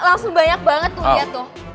langsung banyak banget tuh dia tuh